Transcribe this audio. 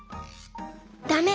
「ダメ。